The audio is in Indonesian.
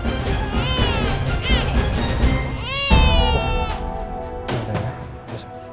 tuh ini dia ya